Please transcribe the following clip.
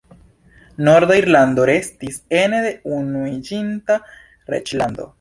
Norda Irlando restis ene de Unuiĝinta Reĝlando.